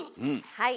はい。